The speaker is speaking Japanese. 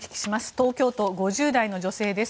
東京都５０代の女性です。